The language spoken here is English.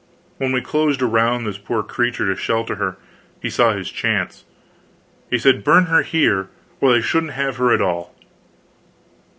When we closed around this poor creature to shelter her, he saw his chance. He said, burn her here, or they shouldn't have her at all.